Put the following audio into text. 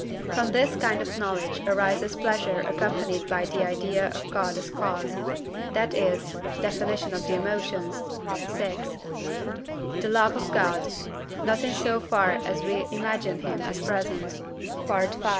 From this kind of knowledge arises pleasure accompanied by the idea of God as cause, that is (Def. of the Emotions, vi.), the love of God; not in so far as we imagine him as present (V.